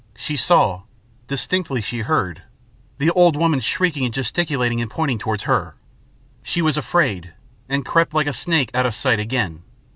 She saw distinctly she heard the old woman shrieking and gesticulating and pointing towards her. She was afraid, and crept like a snake out of sight again.